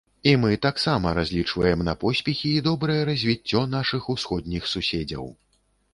І мы таксама разлічваем на поспехі і добрае развіццё нашых усходніх суседзяў.